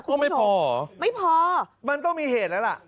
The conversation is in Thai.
ก็ไม่พอเหรอไม่พอมันต้องมีเหตุแล้วล่ะ